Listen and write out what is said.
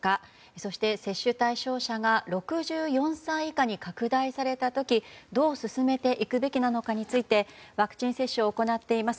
そして接種対象者が６４歳以下に拡大された時どう進めていくべきなのかについてワクチン接種を行っています